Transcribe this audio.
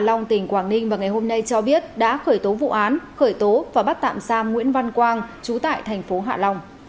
công an tp hcm tỉnh quảng ninh vào ngày hôm nay cho biết đã khởi tố vụ án khởi tố và bắt tạm xa nguyễn văn quang trú tại tp hcm